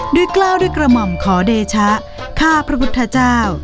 กล้าวด้วยกระหม่อมขอเดชะข้าพระพุทธเจ้า